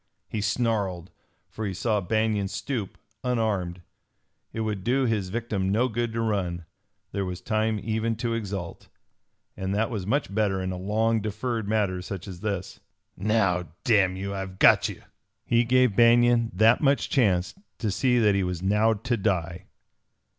He snarled, for he saw Banion stoop, unarmed. It would do his victim no good to run. There was time even to exult, and that was much better in a long deferred matter such as this. "Now, damn you, I've got you!" He gave Banion that much chance to see that he was now to die.